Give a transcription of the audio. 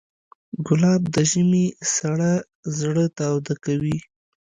ګلاب د ژمي سړه زړه تاوده کوي.